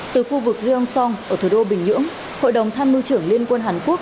từ khu vực ryong song ở thủ đô bình nhưỡng hội đồng than mưu trưởng liên quân hàn quốc